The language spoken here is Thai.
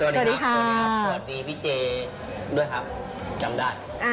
สวัสดีครับสวัสดีพี่เจด้วยครับจำได้